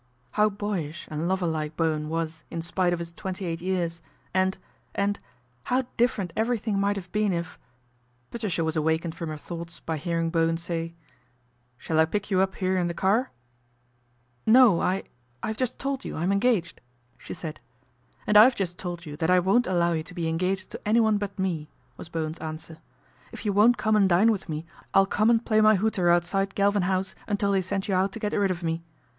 How boyish and lover like Bowen was in spite of his twenty eight years, and and how dif ferent everything might have been if Patricia was awakened from her thoughts by hearing Bowen say :" Shall I pick you up here in the car ?"" No, I I've just told you I am engaged," she said. "And I've just told you that I won't allow you to be engaged to anyone but me," was Bowen's answer. " If you won't come and dine with me I'll come and play my hooter outside Galvin House until they send you out to get rid of me.